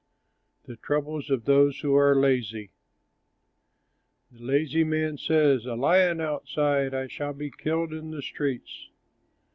THE TROUBLES OF THOSE WHO ARE LAZY The lazy man says, "A lion is outside! I shall be killed in the streets!"